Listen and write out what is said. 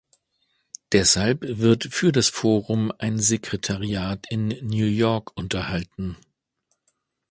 Deshalb wird für das Forum ein Sekretariat in New York unterhalten.